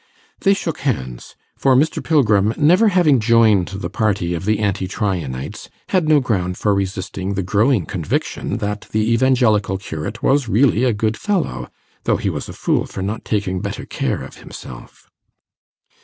They shook hands; for Mr. Pilgrim, never having joined the party of the Anti Tryanites, had no ground for resisting the growing conviction, that the Evangelical curate was really a good fellow, though he was a fool for not taking better care of himself.